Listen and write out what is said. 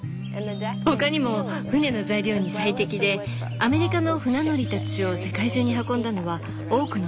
ほかにも船の材料に最適でアメリカの船乗りたちを世界中に運んだのはオークの船でした。